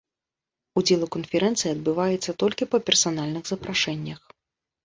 Удзел у канферэнцыі адбываецца толькі па персанальных запрашэннях.